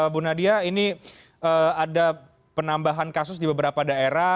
bu nadia ini ada penambahan kasus di beberapa daerah